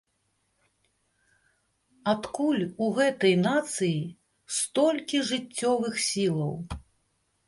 Адкуль у гэтай нацыі столькі жыццёвых сілаў?